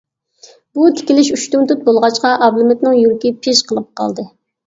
بۇ تىكىلىش ئۇشتۇمتۇت بولغاچقا ئابلىمىتنىڭ يۈرىكى پىژ قىلىپ قالدى.